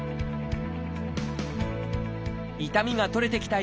痛みが取れてきた